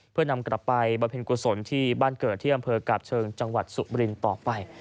เพื่อนำกลับไปบำเพ็ญกุศลที่บ้านเกิดที่อำเภอกาบเชิงจังหวัดสุบรินต่อไป